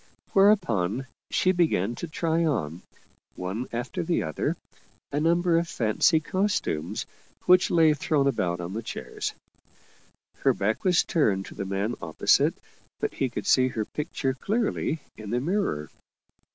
Whereupon she began to try on, one after the other, a number of fancy costumes which lay thrown about on the chairs. Her back was turned to the man opposite, but he could see her pic ture clearly in the mirror.